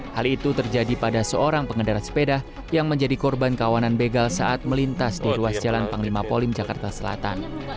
hal itu terjadi pada seorang pengendara sepeda yang menjadi korban kawanan begal saat melintas di ruas jalan panglima polim jakarta selatan